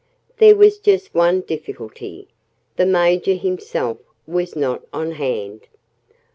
There was just one difficulty: the Major himself was not on hand.